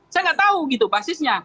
saya nggak tahu gitu basisnya